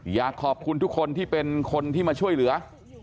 อยากขอบคุณทุกคนที่เป็นคนที่มาช่วยเหลือ